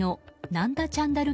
ナンダ・チャンダル